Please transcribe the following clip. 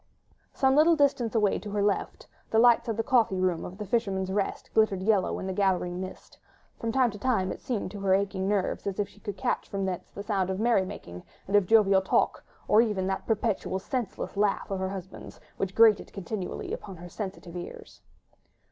Some little distance away to her left the lights from the coffee room of "The Fisherman's Rest" glittered yellow in the gathering mist; from time to time it seemed to her aching nerves as if she could catch from thence the sound of merry making and of jovial talk, or even that perpetual, senseless laugh of her husband's, which grated continually upon her sensitive ears.